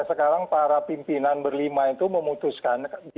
sekarang para pimpinan berlima itu memutuskan